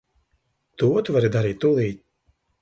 To tu vari darīt tūlīt.